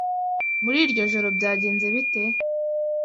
Muri iryo joro byagenze bite?